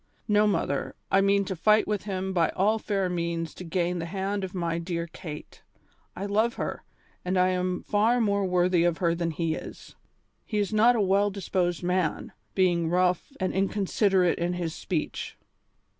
No, mother, I mean to fight with him by all fair means to gain the hand of my dear Kate. I love her, and I am far more worthy of her than he is. He is not a well disposed man, being rough and inconsiderate in his speech."